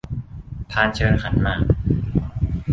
พานเชิญขันหมาก